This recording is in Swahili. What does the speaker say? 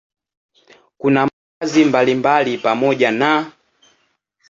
Kuna maradhi mbalimbali pamoja na